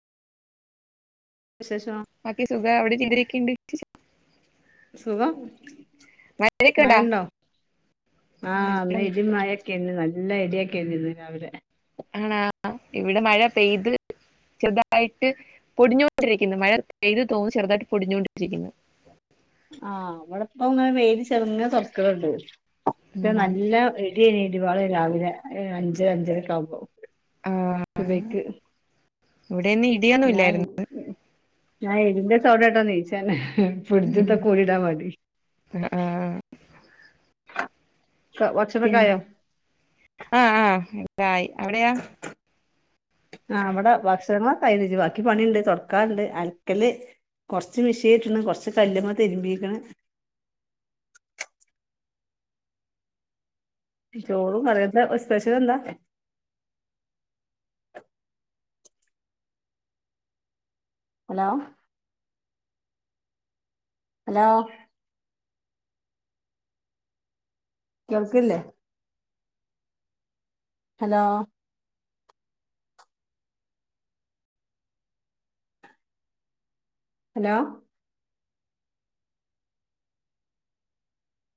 വിശേഷോ ബാക്കി സുഖം [unintelligible] സുഖം മഴയൊക്കെ ഉണ്ടാ മഴണ്ടോ ആ ഇന്ന് ഇടിം മഴേം ക്കേണ് നല്ല ഇടിയൊക്കേന്ന് ഇന്ന് രാവിലെ ആണാ ഇവിടെ മഴ പെയ്ത് ചെറുതായിട്ട് പൊടിഞ്ഞോണ്ടിരിക്കുന്നു മഴ പെയ്ത് തോന്ന് ചെറുതായിട്ട് പൊടിഞ്ഞോണ്ടിരിക്കുന്നു ആഹ ഇവിടെപ്പ ഇങ്ങനെ വെയില് ചെറുങ്ങനെ തൊറക്ക്ണണ്ട് മറ്റത് ഉം. നല്ല ഇടിയേനി ഇടിവാളേനി രാവിലെ അഞ്ച് അഞ്ചരെക്കെ ആകുമ്പോ ആ, സുബഹിക്ക് ഇവിടെ ഇന്ന് ഇടിയൊന്നും ഞാൻ ഇല്ലായിരുന്നു ഞാൻ ഇടിന്റെ സൗണ്ടേട്ടാ ണീച്ചതെന്നെ ഫ്രിഡ്ജും ഇതൊക്കെ ഊരിടാൻ വാണ്ടി ആഹ് ആഹ് ക ഭക്ഷണൊക്കെ ആയോ ആഹ് ആഹ് ആയി അവിടെയോ ആഹ് ഇവിടെ ഭക്ഷണളൊക്കെ ആയിണ് ബാക്കി പണിണ്ട് തൊടക്കാണ്ട് അലക്കല് കുറച്ച് മിഷിൻല്ട്ട്ണ് കൊറച്ച് കല്ലുമ്മ തിരുമ്പിക്ണ് ചോറും കറിയൊക്കെ സ്പെഷ്യലെന്താ ഹലോ ഹലോ കേൾക്കില്ലേ ഹലോ ഹലോ